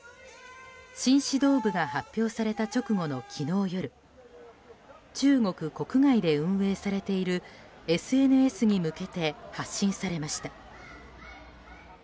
新指導部が発表された直後の昨日夜中国国外で運営されているＳＮＳに向けて発信されました。